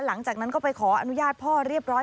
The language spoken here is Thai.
หลังจากนั้นก็ไปขออนุญาตพ่อเรียบร้อย